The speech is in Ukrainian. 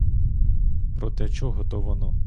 Проти чого то воно?